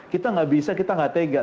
kita gak bisa kita gak tega